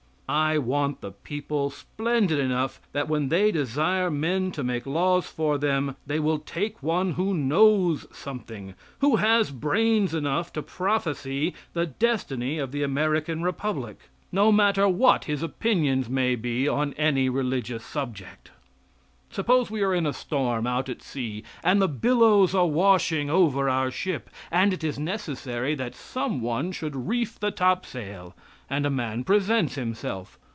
I want the people splendid enough that when they desire men to make laws for them, they will take one who knows something, who has brains enough to prophesy the destiny of the American Republic, no matter what his opinions may be upon any religious subject. Suppose we are in a storm out at sea, and the billows are washing over our ship, and it is necessary that some one should reef the topsail, and a man presents himself.